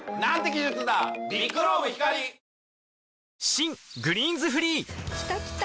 新「グリーンズフリー」きたきた！